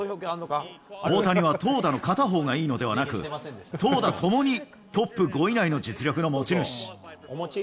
大谷は投打の片方がいいのではなく、投打ともにトップ５位以内の実力の持ち主。